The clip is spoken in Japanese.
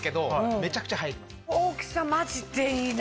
大きさマジでいいな。